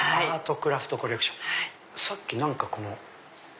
さっき何かこの。